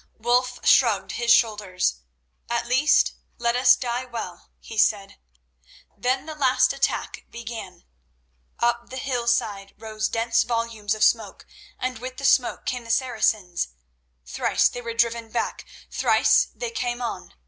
Wulf shrugged his shoulders. "At least, let us die well," he said. Then the last attack began. Up the hillside rose dense volumes of smoke, and with the smoke came the Saracens. Thrice they were driven back; thrice they came on.